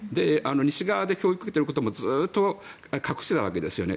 西側で教育を受けていることもずっと隠していたわけですね。